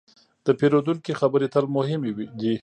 د پیرودونکي خبرې تل مهمې دي.